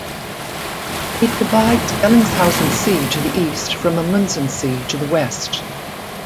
It divides Bellingshausen Sea to the east from Amundsen Sea to the west.